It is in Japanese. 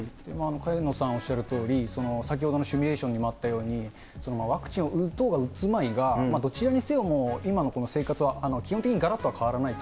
萱野さんおっしゃるとおり、先ほどのシミュレーションにもあったように、ワクチンを打とうが打つまいが、どちらにせよ、今のこの生活は基本的にがらっとは変わらないと。